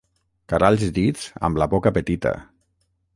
Caralls dits amb la boca petita.